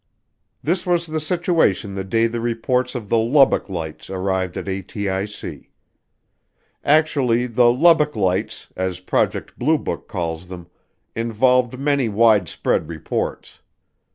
This was the situation the day the reports of the Lubbock Lights arrived at ATIC. Actually the Lubbock Lights, as Project Blue Book calls them, involved many widespread reports.